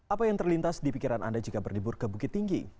apa yang terlintas di pikiran anda jika berlibur ke bukit tinggi